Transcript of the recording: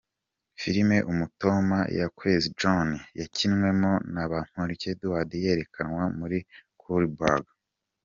Filime ’Umutoma’ ya Kwezi John yakinwemo na Bamporiki Edouard yerekanwe muri Khouribga.